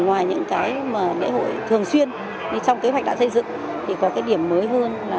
ngoài những cái mà lễ hội thường xuyên trong kế hoạch đã xây dựng thì có cái điểm mới hơn là